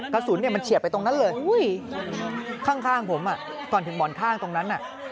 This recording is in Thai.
กระสุนมันเฉียดไปตรงนั้นเลยข้างผมก่อนถึงบ่อนข้างตรงนั้น